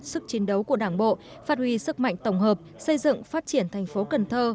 sức chiến đấu của đảng bộ phát huy sức mạnh tổng hợp xây dựng phát triển thành phố cần thơ